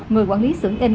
người quản lý xưởng in